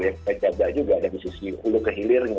kita jaga juga dari sisi ulu kehilirnya